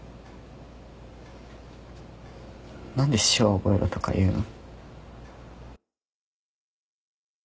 何で手話覚えろとか言うの？